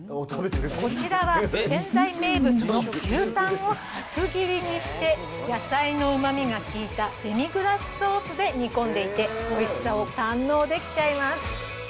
こちらは仙台名物の牛タンを厚切りにして、野菜のうまみが効いたデミグラスソースで煮込んでいて、おいしさを堪能できちゃいます。